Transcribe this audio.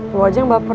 gue aja yang baper